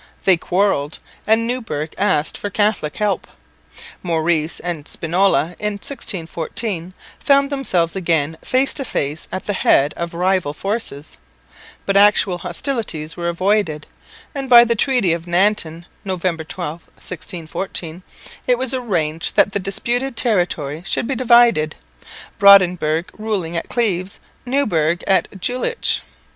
They quarrelled, and Neuburg asked for Catholic help. Maurice and Spinola in 1614 found themselves again face to face at the head of rival forces, but actual hostilities were avoided; and by the treaty of Nanten (November 12, 1614) it was arranged that the disputed territory should be divided, Brandenburg ruling at Cleves, Neuburg at Jülich.